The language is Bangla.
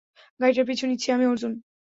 গাড়িটার পিছু নিচ্ছি আমি, অর্জুন!